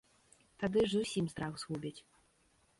Тады ж зусім страх згубяць.